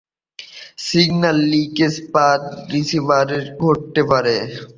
Signal leakage path রিসিভারে ঘটতে পারে।